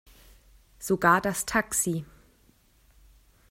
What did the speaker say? Sogar das Taxi.